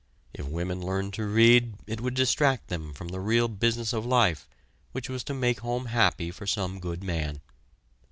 If women learned to read it would distract them from the real business of life which was to make home happy for some good man.